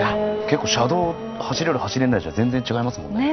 結構車道走れる走れないじゃ全然違いますもんね。